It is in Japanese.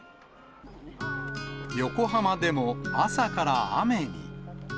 横浜でも朝から雨に。